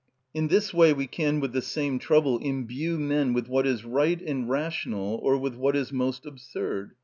In this way we can, with the same trouble, imbue men with what is right and rational, or with what is most absurd.